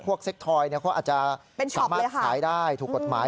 เซ็กทอยเขาอาจจะสามารถขายได้ถูกกฎหมาย